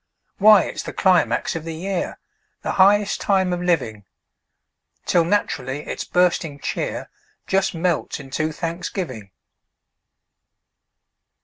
Why, it's the climax of the year, The highest time of living! Till naturally its bursting cheer Just melts into thanksgiving.